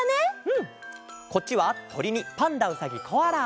こっちは「とり」に「パンダうさぎコアラ」。